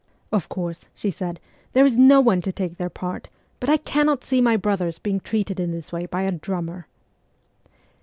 ' Of course,' she cried, ' there is no one to take their part, CHILDHOOD '21 but I cannot see my brothers being treated in this way by a drummer